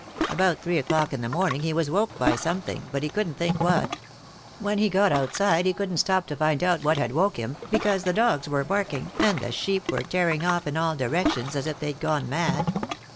About three o'clock in the morning he was woke by something, but he couldn't think what. When he got outside he couldn't stop to find out what had woke him, because the dogs were barking, and the sheep were tearing off in all direc tions as if they'd gone mad.